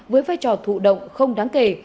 với vai trò thụ động không đáng kể